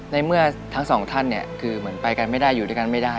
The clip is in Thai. ในเมื่อทั้งสองท่านเนี่ยคือเหมือนไปกันไม่ได้อยู่ด้วยกันไม่ได้